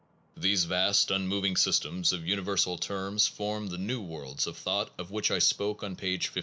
These vast unmoving systems of universal terms form the new worlds of thought of which I spoke on page 56.